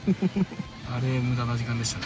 あれ無駄な時間でしたね。